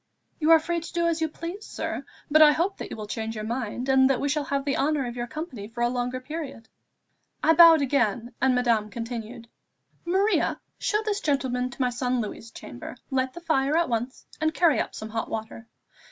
"You are free to do as you please, sir; but I hope that you will change your mind, and that we shall have the honour of your company for a longer period." I bowed again, and Madame continued "Maria, show this gentleman to my son Louis' chamber; light the fire at once, and carry up some hot water.